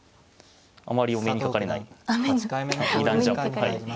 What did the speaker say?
あまりお目にかかれない二段ジャンプ。